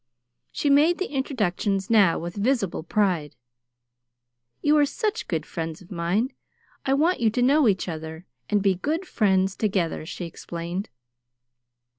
She made the introductions now with visible pride. "You are such good friends of mine, I want you to know each other, and be good friends together," she explained.